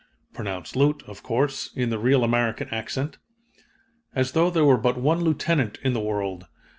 (pronounced 'Loot,' of course, in the real American accent), as though there were but one lieutenant in the world.